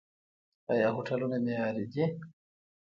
آیا هوټلونه معیاري دي؟